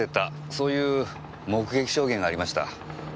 そういう目撃証言がありました。